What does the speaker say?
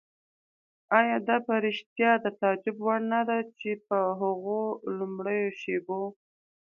آیا دا په رښتیا د تعجب وړ نه ده چې په هغو لومړیو شېبو.